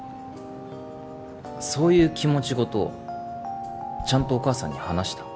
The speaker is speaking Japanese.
そういう気持ちごとちゃんとお母さんに話した？